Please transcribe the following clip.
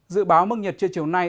dự báo mức nhiệt trên chiều nay